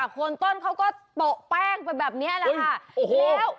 โค้นต้นเขาก็โปะแป้งแบบนี้แหละค่ะ